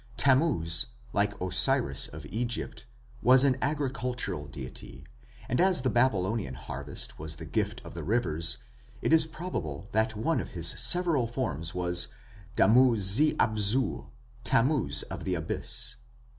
Tammuz, like Osiris of Egypt, was an agricultural deity, and as the Babylonian harvest was the gift of the rivers, it is probable that one of his several forms was Dumu zi abzu, "Tammuz of the Abyss".